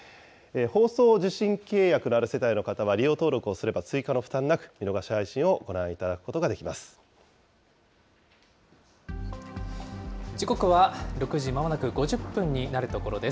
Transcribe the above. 放送受信契約のある世帯の方は、利用登録をすれば追加の負担なく、見逃し配信をご覧いただくことが時刻は６時まもなく５０分になるところです。